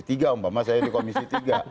sama sama saya di komisi tiga